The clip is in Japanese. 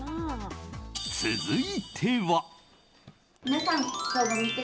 続いては。